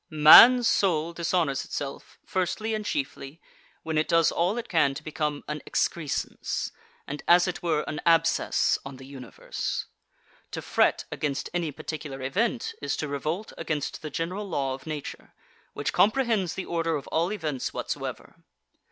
16. Man's soul dishonours itself, firstly and chiefly when it does all it can to become an excrescence, and as it were an abscess on the Universe. To fret against any particular event is to revolt against the general law of Nature, which comprehends the order of all events whatsoever.